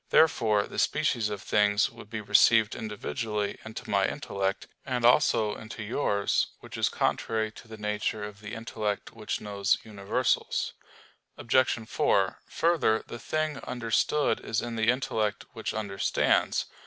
Therefore the species of things would be received individually into my intellect, and also into yours: which is contrary to the nature of the intellect which knows universals. Obj. 4: Further, the thing understood is in the intellect which understands.